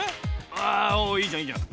あおおいいじゃんいいじゃん。